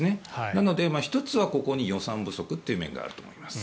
なので、１つはここに予算不足という面があると思います。